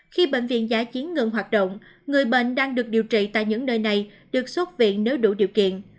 khi bệnh viện giã chiến ngừng hoạt động người bệnh đang được điều trị tại những nơi này được xuất viện nếu đủ điều kiện